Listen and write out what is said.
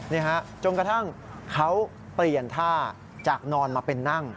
นี่ฮะจนกระทั่งเขาเปลี่ยนท่าจากนอนมาเป็นนั่ง